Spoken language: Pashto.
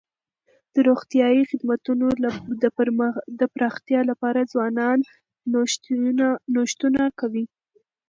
د روغتیايي خدمتونو د پراختیا لپاره ځوانان نوښتونه کوي.